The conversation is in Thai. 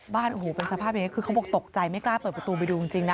โอ้โหเป็นสภาพอย่างนี้คือเขาบอกตกใจไม่กล้าเปิดประตูไปดูจริงนะ